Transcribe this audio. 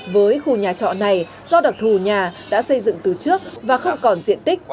với khu nhà trọ này do đặc thù nhà đã xây dựng từ trước và không còn diện tích